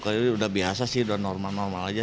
kalau udah biasa sih udah normal normal aja